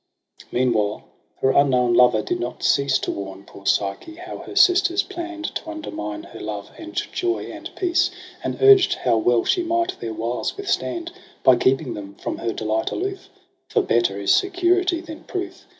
Meanwhile her unknown lover did not cease To warn poor Psyche how her sisters plan'd To undermine her love and joy and peace ; And urged how well she might their wiles withstand. By keeping them from her delight aloof: For better is security than proof.